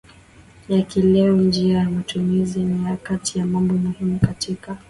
ya kileo njia ya matumizi na ya kati ni mambo muhimu katika